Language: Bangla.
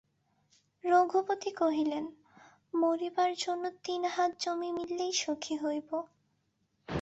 রঘুপতি কহিলেন, মরিবার জন্য তিন হাত জমি মিলিলেই সুখী হইব।